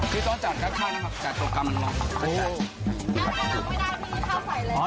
พี่ต้นจัดกั๊บแค่นั้นครับตรกกาฟมันร้อน